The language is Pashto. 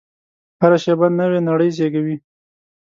هره شېبه نوې نړۍ زېږوي.